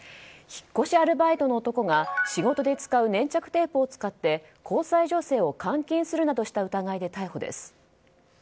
引っ越しアルバイトの男が仕事で使う粘着テープを使って交際女性を監禁するなどした疑いで逮捕です。